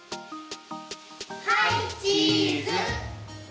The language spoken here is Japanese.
はいチーズ！